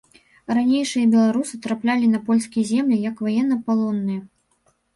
Ранейшыя беларусы траплялі на польскія землі як ваеннапалонныя.